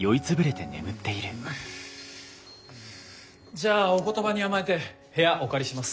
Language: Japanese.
じゃあお言葉に甘えて部屋お借りします。